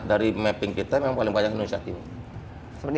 dari mapping kita memang paling banyak indonesia timur